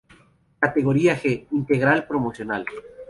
Categoría G: Integral Promocional.